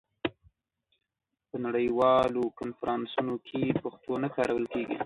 په نړیوالو کنفرانسونو کې پښتو نه کارول کېږي.